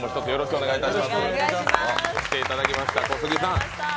ご出演いただきました小杉さん！